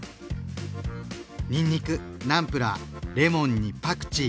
にんにくナムプラーレモンにパクチー。